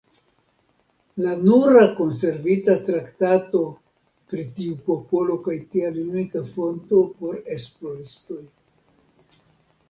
La nura konservita traktato pri tiu popolo kaj tial unika fonto por esploristoj.